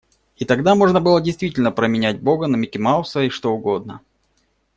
И тогда можно было действительно променять Бога на Микки Мауса и что угодно.